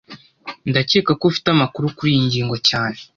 Ndakeka ko ufite amakuru kuriyi ngingo cyane